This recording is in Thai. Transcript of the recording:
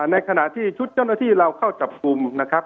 ในขณะที่ชุดเจ้าหน้าที่เราเข้าจับกลุ่มนะครับ